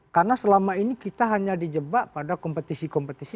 karena selama ini kita hanya dijebak pada kompetisi kompetisi